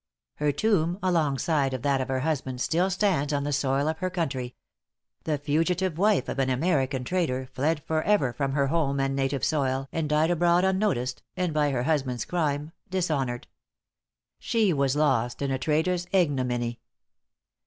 Her tomb, alongside of that of her husband, still stands on the soil of her country. The fugitive wife of an American traitor fled forever from her home and native soil, and died abroad unnoticed, and by her husband's crime dishonored. She was lost in a traitor's ignominy.